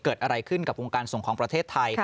เกิดอะไรขึ้นกับวงการส่งของประเทศไทย